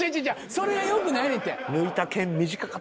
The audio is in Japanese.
それがよくないねんて。